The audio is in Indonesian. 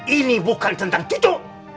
ini bukan tentang cucu